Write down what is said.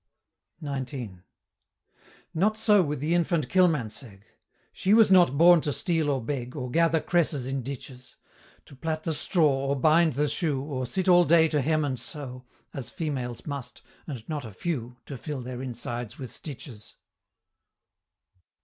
XIX. Not so with the infant Kilmansegg! She was not born to steal or beg, Or gather cresses in ditches; To plait the straw, or bind the shoe, Or sit all day to hem and sew, As females must and not a few To fill their insides with stitches!